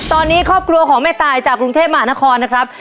ตอนนี้ครอบครัวของแม่ตายจากกรุงเทพมหานครนะครับ